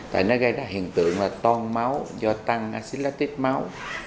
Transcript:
tại nó gây ra hiện tượng là ton máu do tăng axillatit máu